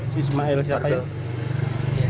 si ismail siapa ya